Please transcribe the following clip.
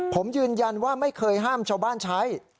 ผมยืนยันว่าไม่เคยห้ามชาวบ้านใช้